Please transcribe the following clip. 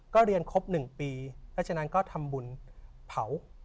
ก็เรียนครบ๑ปีเพราะฉะนั้นก็ทำบุญเผา